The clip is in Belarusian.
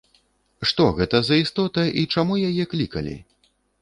Што гэта за істота і чаму яе клікалі?